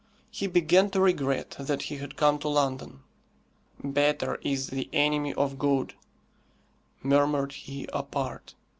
He began to regret that he had come to London. "'Better' is the enemy of 'good,'" murmured he apart.